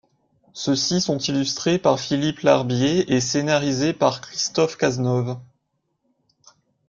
Ceux-ci sont illustrés par Philippe Larbier et scénarisés par Christophe Cazenove.